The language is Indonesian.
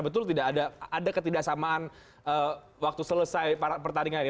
betul tidak ada ketidaksamaan waktu selesai pertandingan ini